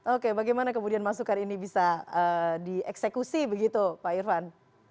oke bagaimana kemudian masukan ini bisa dieksekusi begitu pak irfan